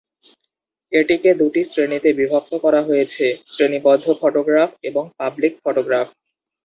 এটিকে দুটি শ্রেণিতে বিভক্ত করা হয়েছে: 'শ্রেণিবদ্ধ ফটোগ্রাফ' এবং 'পাবলিক ফটোগ্রাফ'।